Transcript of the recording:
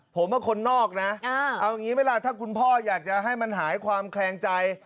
ผมว่าคนนอกนะเอาอย่างนี้ไหมล่ะถ้าคุณพ่ออยากจะให้มันหายความแคลงใจ